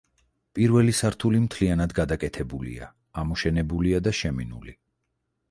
პირველი სართული მთლიანად გადაკეთებულია: ამოშენებულია და შემინული.